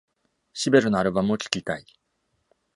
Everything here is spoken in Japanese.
シベルのアルバムを聴きたい。